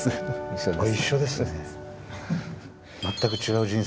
そうですね。